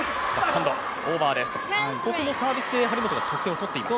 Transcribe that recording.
ここもサービスで張本が得点をとっています。